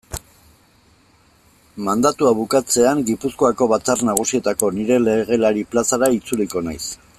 Mandatua bukatzean Gipuzkoako Batzar Nagusietako nire legelari plazara itzuliko naiz.